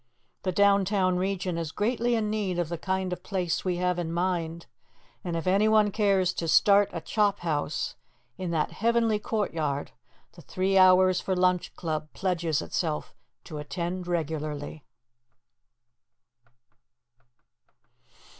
The downtown region is greatly in need of the kind of place we have in mind, and if any one cares to start a chophouse in that heavenly courtyard, the Three Hours for Lunch Club pledges itself to attend regularly.